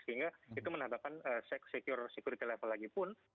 sehingga itu menambahkan secur security level lagi pun